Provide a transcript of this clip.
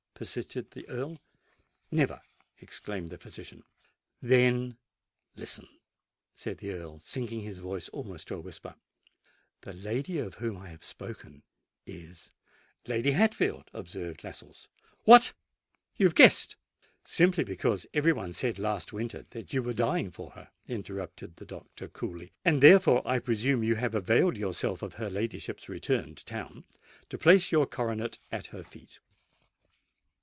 persisted the Earl. "Never," exclaimed the physician. "Then listen," said the Earl, sinking his voice almost to a whisper;—"the lady of whom I have spoken, is——" "Lady Hatfield," observed Lascelles. "What! you have guessed——" "Simply because every one said last winter that you were dying for her," interrupted the doctor coolly; "and therefore I presume you have availed yourself of her ladyship's return to town to place your coronet at her feet."